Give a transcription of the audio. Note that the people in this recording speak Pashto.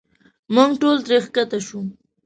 موږ ټول ترې ښکته شو.